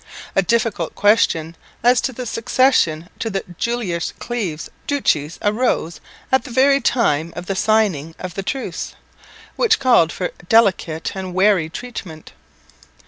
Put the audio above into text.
A difficult question as to the succession to the Jülich Cleves duchies arose at the very time of the signing of the truce, which called for delicate and wary treatment.